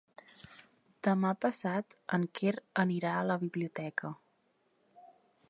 Demà passat en Quer anirà a la biblioteca.